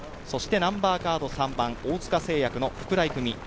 そしてナンバーカード３番大塚製薬の福良郁美。